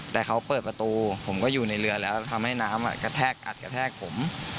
แต่เขาเปิดประตูผมก็อยู่ในเรือแล้วทำให้น้ำกระแทกอัดกระแทกผม